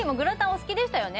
お好きでしたよね？